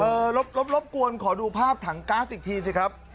รบรบกวนขอดูภาพถังก๊าซอีกทีสิครับ